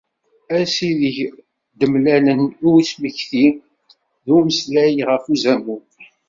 Ass ideg d-mlalen i usmekti d umeslay ɣef uzamul.